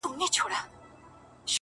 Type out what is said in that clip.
o زه خو یارانو نامعلوم آدرس ته ودرېدم ؛